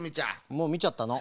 もうみちゃったの。